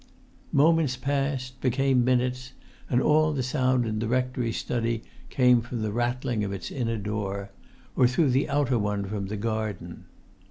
Moments passed; became minutes; and all the sound in the rectory study came from the rattling of its inner door, or through the outer one from the garden.